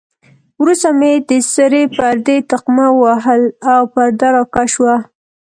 وروسته مې د سرې پردې تقمه ووهل او پرده را کش شوه.